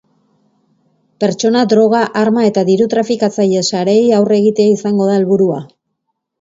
Pertsona, droga, arma eta diru-trafikatzaile sareei aurre egitea izango da helburua.